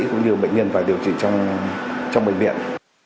cũng như bệnh nhân phải điều trị trong bệnh viện